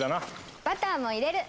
バターも入れる！